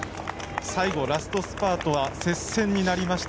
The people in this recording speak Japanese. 最後ラストスパートは接戦になりました。